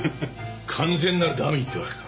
完全なるダミーってわけか。